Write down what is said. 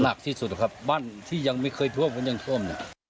หนักที่สุดครับบ้านที่ยังไม่เคยท่วมก็ยังท่วม